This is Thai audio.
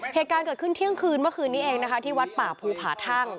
เหตุการณ์เกิดขึ้นเที่ยงคืนเมื่อคืนนี้เองนะคะที่วัดป่าภูผาทั่ง